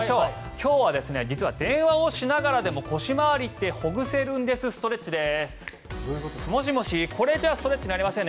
今日は実は電話をしながらでも腰回りってほぐせるんですストレッチです。